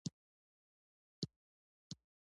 په کور کې ښه چلند کول د سولې راز دی.